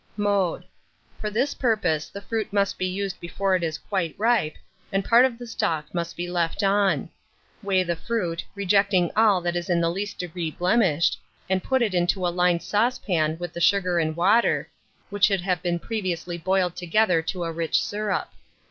Mode. For this purpose, the fruit must be used before it is quite ripe, and part of the stalk must be left on. Weigh the fruit, rejecting all that is in the least degree blemished, and put it into a lined saucepan with the sugar and water, which should have been previously boiled together to a rich syrup.